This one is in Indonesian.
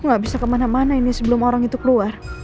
gak bisa kemana mana ini sebelum orang itu keluar